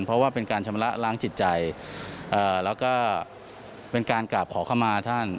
เพราะว่าเป็นการชำระล้างจิตใจแล้วก็เป็นการกราบขอเข้ามาท่าน